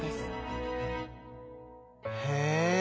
へえ。